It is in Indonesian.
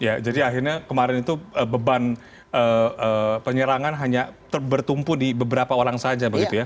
ya jadi akhirnya kemarin itu beban penyerangan hanya bertumpu di beberapa orang saja begitu ya